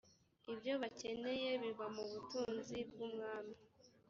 ibyo bakeneye biva mu butunzi bw’umwami .